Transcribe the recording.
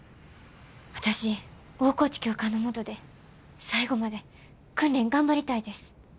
私大河内教官の下で最後まで訓練頑張りたいです。